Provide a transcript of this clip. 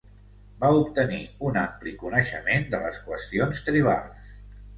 Va obtenir un ampli coneixement de les qüestions tribals.